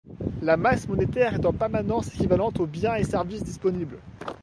La masse monétaire est en permanence équivalente aux biens et services disponibles.